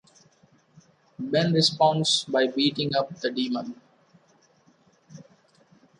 Ben responds by beating up the demon.